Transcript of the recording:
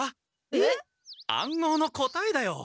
えっ？暗号の答えだよ！